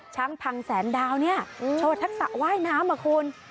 ช้างพังแสนดาวเนี่ยโชว์ทักษะว่ายน้ำอ่ะคุณ